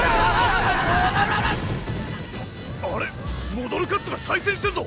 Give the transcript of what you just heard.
モドルカッツォが対戦してんぞ。